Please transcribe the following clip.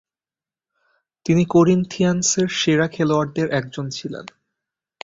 তিনি করিন্থিয়ান্সের সেরা খেলোয়াড়দের একজন ছিলেন।